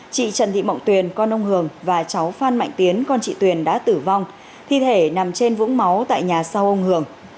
chị trần thị mộng tuyền con ông hường và cháu phan mạnh tiến con chị tuyền đã tử vong thi thể nằm trên vũng máu tại nhà sau ông hường